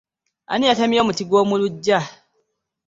Ani yatmye omuti gw'omu luggya?